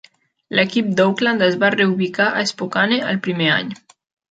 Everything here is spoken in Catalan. L'equip d'Oakland es va reubicar a Spokane el primer any.